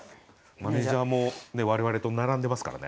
マネージャーも我々と並んでますからね。